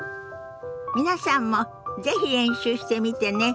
皆さんも是非練習してみてね。